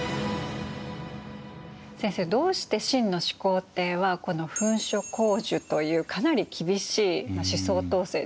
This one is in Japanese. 先生どうして秦の始皇帝はこの焚書坑儒というかなり厳しい思想統制ですよね